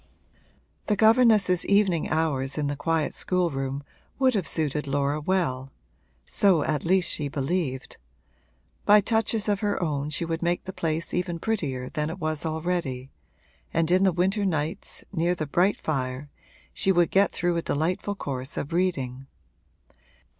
The governess's evening hours in the quiet schoolroom would have suited Laura well so at least she believed; by touches of her own she would make the place even prettier than it was already, and in the winter nights, near the bright fire, she would get through a delightful course of reading.